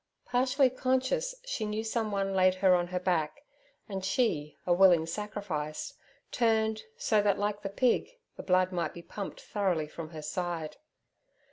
Partially conscious, she knew someone laid her on her back, and she, a willing sacrifice, turned, so that, like the pig, the blood might be pumped thoroughly from her side.